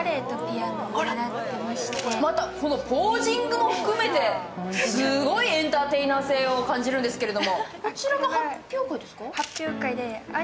またこのポージングも含めてすごいエンターテイナー性を感じるんですけど。